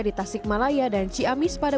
di tasikmalaya dan ciamis pada